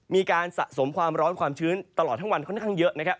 สะสมความร้อนความชื้นตลอดทั้งวันค่อนข้างเยอะนะครับ